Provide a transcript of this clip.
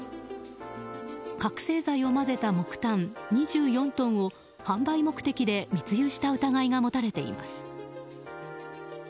覚醒剤を混ぜた木炭２４トンを販売目的で密輸した疑いが持たれています。